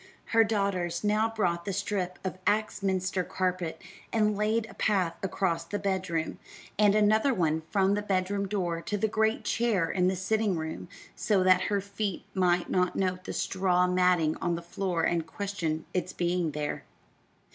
Her daughters now bought the strip of Axminster carpet and laid a path across the bedroom, and another one from the bedroom door to the great chair in the sitting room, so that her feet might not note the straw matting on the floor and question its being there.